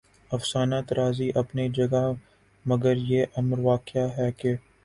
افسانہ طرازی اپنی جگہ مگر یہ امر واقعہ ہے کہ